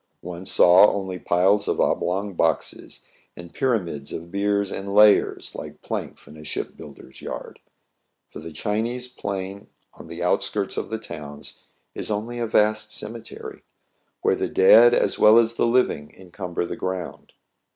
One saw only piles of oblong boxes, and pyramids of biers in layers, like planks in a shipbuilder's yard ; for the Chinese plain on the outskirts of the towns is only a vast cemetery, where the dead, as well as the living, encumber the ground.